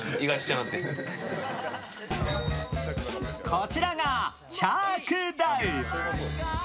こちらがチャー・クダウ。